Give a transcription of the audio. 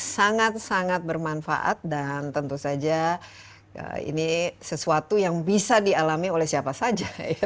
sangat sangat bermanfaat dan tentu saja ini sesuatu yang bisa dialami oleh siapa saja